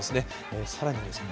さらにですね